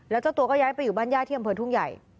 แล้วเจ้าตัวก็ย้ายไปอยู่บ้านญาติที่อำเภอทุ่งใหญ่